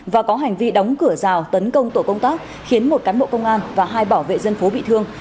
và có hành vi đóng cửa rào tấn công tổ công tác khiến một cán bộ công an và hai bảo vệ dân phố bị thương